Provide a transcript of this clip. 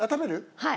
はい。